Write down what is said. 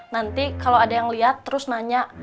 nanti kalau ada yang lihat terus nanya